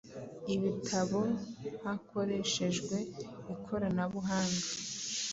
ibitabo hakoreshejwe ikoranabuhanga